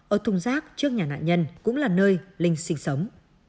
ở thùng rác trước nhà nạn nhân cũng là nơi linh sinh sống